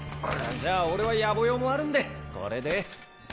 じゃあ俺は野暮用もあるんでこれで。